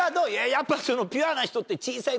やっぱ。